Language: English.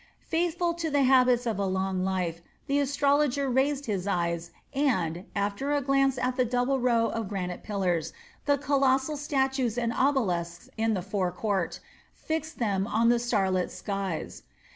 Faithful to the habits of a long life, the astrologer raised his eyes and, after a glance at the double row of granite pillars, the colossal statues and obelisks in the fore court, fixed them on the starlit skies.